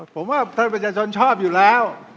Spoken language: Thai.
ผมว่าท่านประชาชนชอบอยู่แล้ว